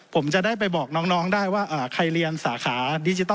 ผมจะได้ไปบอกน้องได้ว่าใครเรียนสาขาดิจิทั